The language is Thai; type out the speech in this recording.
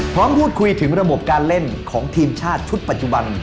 พร้อมพูดคุยถึงระบบการเล่นของทีมชาติชุดปัจจุบัน